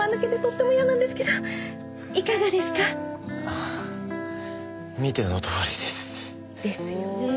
ああ見てのとおりです。ですよね。